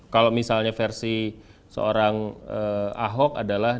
kalau misalnya versi seorang ahok adalah